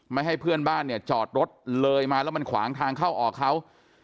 ให้เพื่อนบ้านเนี่ยจอดรถเลยมาแล้วมันขวางทางเข้าออกเขา